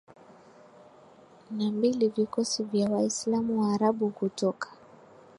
na mbili vikosi vya Waislamu Waarabu kutoka